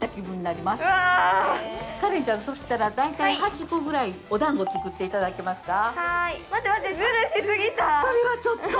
花恋ちゃん、そしたら、大体８個ぐらいお団子を作っていただけますか。